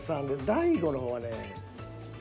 大悟の方はね。